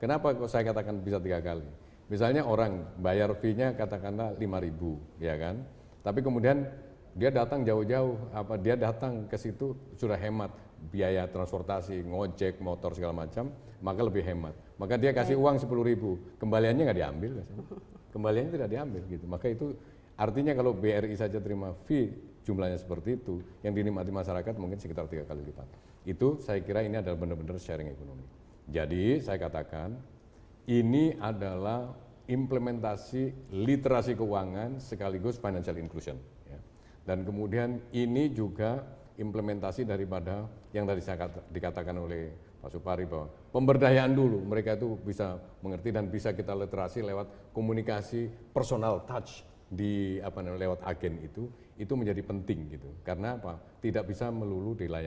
kenapa kenapa saya katakan bisa tiga kali misalnya orang bayar fee nya katakanlah rp lima ya kan tapi kemudian dia datang jauh jauh apa dia datang ke situ sudah hemat biaya transportasi ngejek motor segala macam maka lebih hemat maka dia kasih uang rp sepuluh kembaliannya nggak diambil kembaliannya tidak diambil gitu maka itu artinya kalau bri saja terima fee jumlahnya seperti itu yang dinikmati masyarakat mungkin sekitar tiga kali lebih banyak itu saya kira ini adalah benar benar sharing ekonomi